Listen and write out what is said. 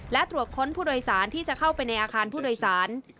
และตรวจค้นผู้โดยสารที่จะเข้าไปในอาคารผู้โดยสาร